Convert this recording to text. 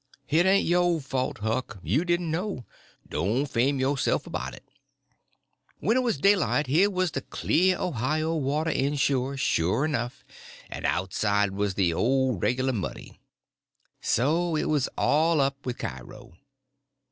"It ain't yo' fault, Huck; you didn' know. Don't you blame yo'self 'bout it." When it was daylight, here was the clear Ohio water inshore, sure enough, and outside was the old regular Muddy! So it was all up with Cairo.